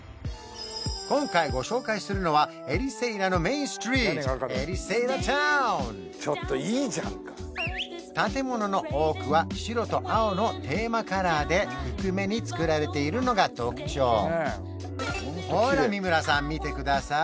今回ご紹介するのはエリセイラのメインストリートエリセイラタウン建物の多くは白と青のテーマカラーで低めに造られているのが特徴ほら三村さん見てください